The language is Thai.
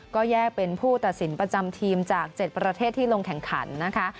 ก็แยกเป็นผู้ตัดสินประจำทีมจาก๗ประเทศที่ลงแข่งขันนะคะ